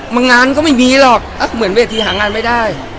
งานก็ไม่มีหรอกเหมือนเวทีหางานไม่ได้